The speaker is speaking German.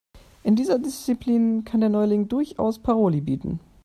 In dieser Disziplin kann der Neuling durchaus Paroli bieten.